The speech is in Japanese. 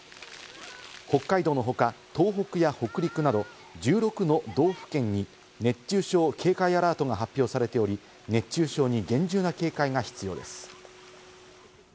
北海道の他、東北や北陸など１６の道府県に熱中症警戒アラートが発表されており、熱中症に厳重な警戒が必要です。